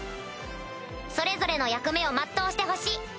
それぞれの役目を全うしてほしい。